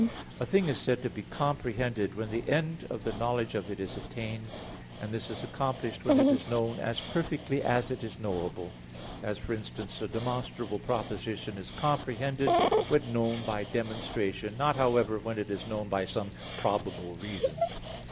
A thing is said to be comprehended when the end of the knowledge of it is attained, and this is accomplished when it is known as perfectly as it is knowable; as, for instance, a demonstrable proposition is comprehended when known by demonstration, not, however, when it is known by some probable reason.